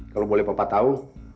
kalau boleh papa tahu